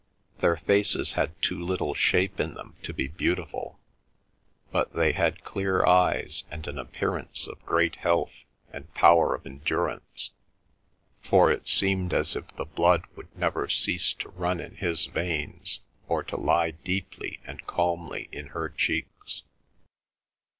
Their faces had too little shape in them to be beautiful, but they had clear eyes and an appearance of great health and power of endurance, for it seemed as if the blood would never cease to run in his veins, or to lie deeply and calmly in her cheeks.